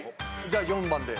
じゃあ４番で。